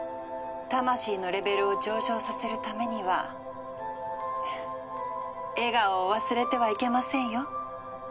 魂のレベルを上昇させるためには笑顔を忘れてはいけませんよ。